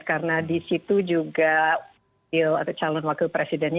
karena di situ juga calon wakil presidennya